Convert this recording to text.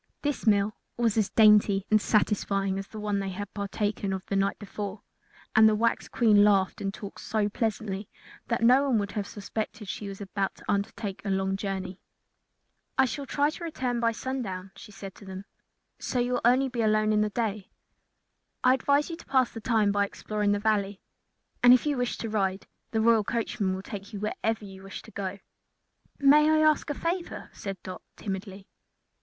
This meal was as dainty and satisfying as the one they had partaken of the night before, and the wax Queen laughed and talked so pleasantly that no one would have suspected she was about to undertake a long journey. "I shall try to return by sundown," she said to them, "so you will only be alone during the day. I advise you to pass the time by exploring the Valley, and if you wish to ride, the royal coachmen will take you wherever you wish to go." "May I ask a favor?" said Dot, timidly.